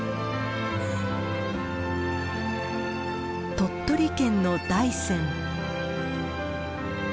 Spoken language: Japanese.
鳥取県の大山。